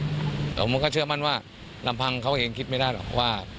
แต่ผมก็เชื่อมั่นว่าลำพังเขาเองคิดไม่ได้หรอกว่า